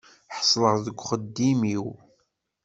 Ḥeṣleɣ deg uxeddim-iw.